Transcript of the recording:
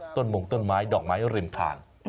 มงต้นไม้ดอกไม้ริมทาง